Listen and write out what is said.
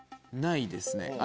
ないですね